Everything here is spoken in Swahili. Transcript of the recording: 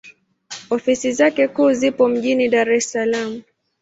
Ofisi zake kuu zipo mjini Dar es Salaam.